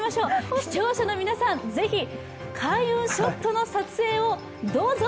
視聴者の皆さん、ぜひ開運ショットの撮影をどうぞ。